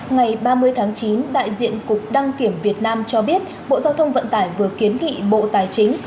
ngày ba mươi tháng chín đại diện cục đăng kiểm việt nam cho biết bộ giao thông vận tải vừa kiến nghị bộ tài chính